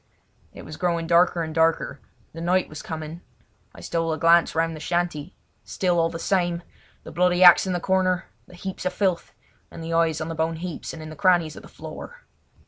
It was growing darker and darker; the night was coming. I stole a glance round the shanty, still all the same! The bloody axe in the corner, the heaps of filth, and the eyes on the bone heaps and in the crannies of the floor.